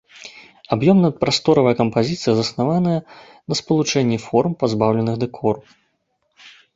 Аб'ёмна-прасторавая кампазіцыя заснаваная на спалучэнні форм, пазбаўленых дэкору.